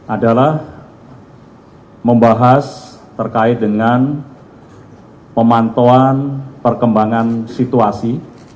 adalah membahas terkait dengan pemantauan perkembangan situasi